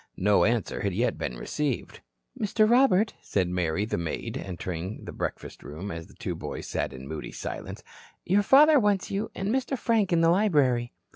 No answer had yet been received. "Mister Robert," said Mary, the maid, entering the breakfast room, as the two boys sat in moody silence, "your father wants you and Mister Frank in the library."